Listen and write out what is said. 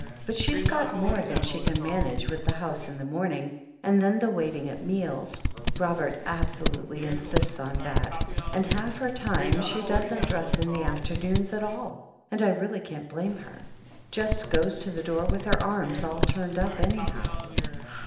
"But she's got more than she can manage, with the house in the morning, and then the waiting at meals — ^Robert absolutely insists on that — ^and half her time she doesn't dress in the afternoons at all, and I really can't Uame her. Just goes to the door with her arms all turned up, anyhow.